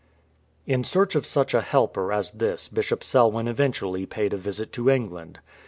In search of such a helper as this Bishop Selwyn event ually paid a visit to England.